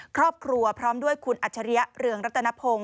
ครอบครัวพร้อมด้วยคุณอัชริยเรืองรัตนพงศ์